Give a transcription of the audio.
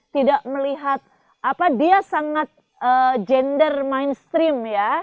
tidak melihat dia sangat gender mainstream